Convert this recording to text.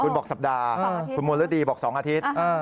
คุณบอกสัปดาห์คุณมนฤดีบอก๒อาทิตย์